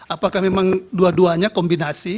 apakah memang dua duanya kombinasi